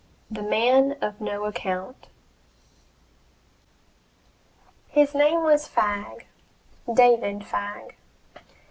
THE MAN OF NO ACCOUNT His name was Fagg David Fagg.